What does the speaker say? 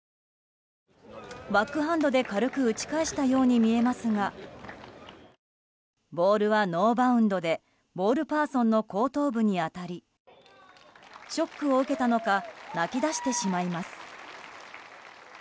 バックハンドで軽く打ち返したように見えますがボールはノーバウンドでボールパーソンの後頭部に当たりショックを受けたのか泣き出してしまいます。